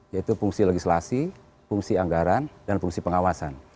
yaitu fungsi legislasi fungsi anggaran dan fungsi pengawasan